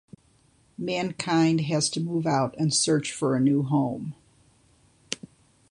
Mankind has to move out and search for a new home.